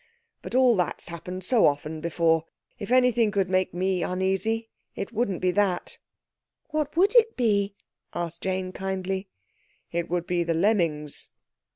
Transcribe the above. But all that's happened so often before. If anything could make ME uneasy it wouldn't be that." "What would it be?" asked Jane kindly. "It would be the Lemmings."